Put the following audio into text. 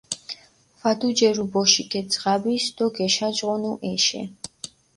ვადუჯერუ ბოშიქ ე ძღაბის დო გეშაჯღონუ ეშე.